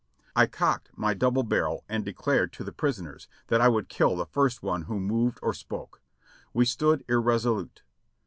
I cocked my double barrel and declared to the prisoners that I would kill the first one who moved or spoke. We stood irresolute.